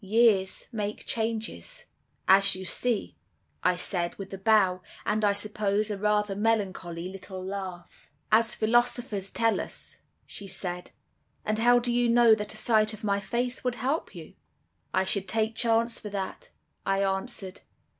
Years make changes.' "'As you see,' I said, with a bow, and, I suppose, a rather melancholy little laugh. "'As philosophers tell us,' she said; 'and how do you know that a sight of my face would help you?' "'I should take chance for that,' I answered.